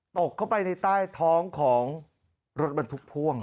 ตกเข้าไปในใต้ท้องของรถบรรทุกพ่วง